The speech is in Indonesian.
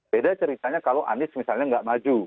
beda ceritanya kalau anies misalnya nggak maju